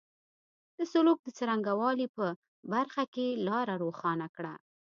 د سلوک د څرنګه والي په برخه کې لاره روښانه کړه.